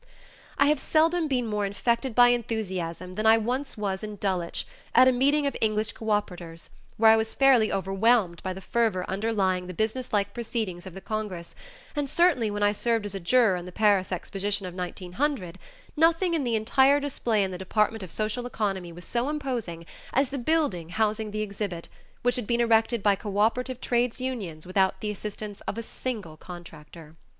I have seldom been more infected by enthusiasm than I once was in Dulwich at a meeting of English cooperators where I was fairly overwhelmed by the fervor underlying the businesslike proceedings of the congress, and certainly when I served as a juror in the Paris Exposition of 1900, nothing in the entire display in the department of Social Economy was so imposing as the building housing the exhibit, which had been erected by cooperative trades unions without the assistance of a single contractor.